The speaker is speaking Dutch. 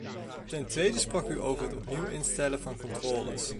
Ten tweede sprak u over het opnieuw instellen van controles.